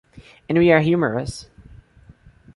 And we are humorous.